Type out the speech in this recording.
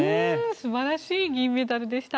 素晴らしい銀メダルでした。